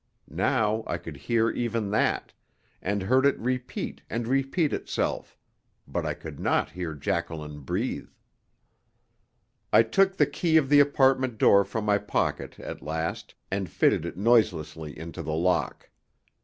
Now I could hear even that, and heard it repeat and repeat itself; but I could not hear Jacqueline breathe. I took the key of the apartment door from my pocket at last and fitted it noiselessly into the lock.